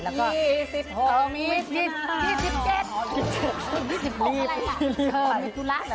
๒๖อะไรค่ะ